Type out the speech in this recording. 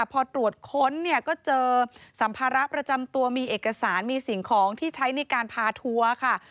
พอตรวจค้นเนี่ยก็เจอสัมภาระประจำตัวมีเอกสารมีสิ่งของที่ใช้ในการพาทัวร์ค่ะ